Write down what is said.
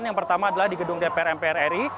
yang pertama adalah di gedung dpr mprri